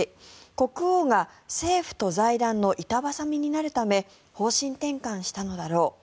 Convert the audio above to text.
国王が政府と財団の板挟みになるため方針転換したのだろう。